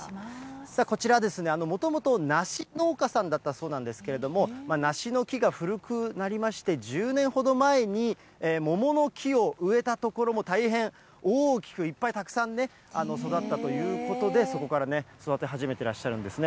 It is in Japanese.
こちらですね、もともと梨農家さんだったそうなんですけれども、梨の木が古くなりまして、１０年ほど前に、桃の木を植えたところ、たくさん大きく、いっぱいたくさんね、育ったということで、そこからね、育て始めてらっしゃるんですね。